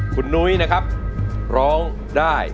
คุณนุ้ยนะครับร้องได้